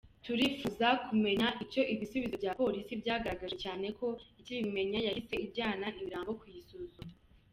Turifuza kumenya icyo ibisubizo bya polisi byagaragaje cyane ko ikibimenya yahise ijyana imirambo kuyisuzuma.